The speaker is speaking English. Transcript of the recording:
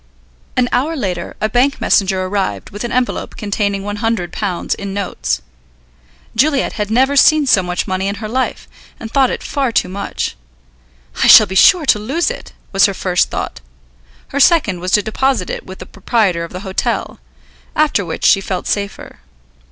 An hour later a bank messenger arrived with an envelope containing £100 in notes. Juliet had never seen so much money in her life, and thought it far too much. "I shall be sure to lose it," was her first thought. Her second was to deposit it with the proprietor of the hotel; after which she felt safer.